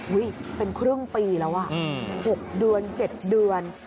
เป็นครึ่งปีแล้วอ่ะ๖เดือน๗เดือน